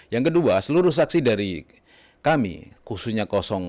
yang kedua seluruh saksi dari kami khususnya dua